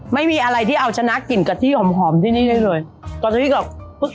ไม่มีอะไรที่เอาชนะกลิ่นกะทิหอมหอมที่นี่ได้เลยกำลังที่กำลัง